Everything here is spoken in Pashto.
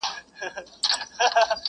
یوه ورځ گوربت زمري ته ویل وروره .!